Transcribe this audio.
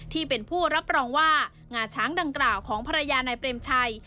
ที่เป็นผู้รับรองว่างาช้างดังกล่าวของภรรยานายเปรมชัย